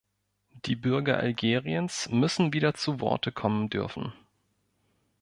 Die Bürger Algeriens müssen wieder zu Worte kommen dürfen.